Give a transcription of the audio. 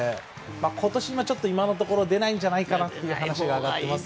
今年は今のところ出ないんじゃないかという話になってますね。